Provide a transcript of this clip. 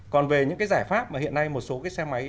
còn về những cái giải pháp mà hiện nay một số cái xe máy